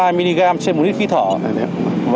anh vừa sử dụng bia này rượu